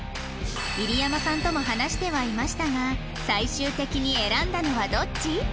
入山さんとも話してはいましたが最終的に選んだのはどっち？